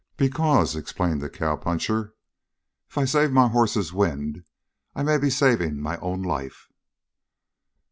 "Because," explained the cowpuncher, "if I save my hoss's wind I may be saving my own life."